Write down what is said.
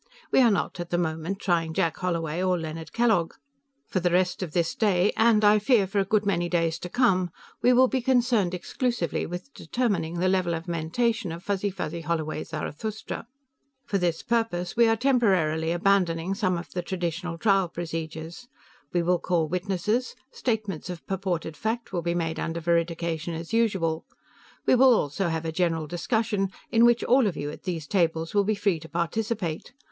We are not, at the moment, trying Jack Holloway or Leonard Kellogg. For the rest of this day, and, I fear, for a good many days to come, we will be concerned exclusively with determining the level of mentation of Fuzzy fuzzy holloway zarathustra. "For this purpose, we are temporarily abandoning some of the traditional trial procedures. We will call witnesses; statements of purported fact will be made under veridication as usual. We will also have a general discussion, in which all of you at these tables will be free to participate.